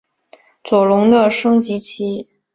左龙的升级棋。